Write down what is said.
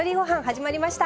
始まりました。